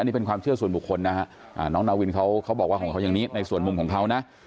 นี่เป็นความเชื่อส่วนบุคคลนะฮะน้องนาวินเขาบอกว่าของเขาอย่างนี้ในส่วนมุมของเขานะ